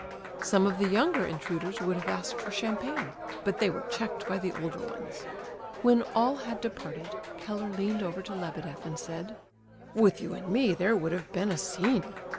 Some of the younger intruders would have asked for champagne, but they were checked by the older ones. When all had departed, Keller leaned over to Lebedeff, and said: "With you and me there would have been a scene.